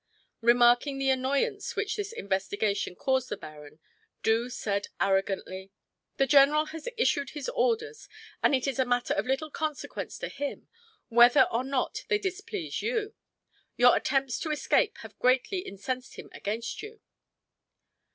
Remarking the annoyance which this investigation caused the baron, Doo said arrogantly: "The general has issued his orders, and it is a matter of little consequence to him whether or not they displease you. Your attempts to escape have greatly incensed him against you."